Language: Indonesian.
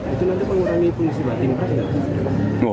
itu nanti pengurangi fungsi batin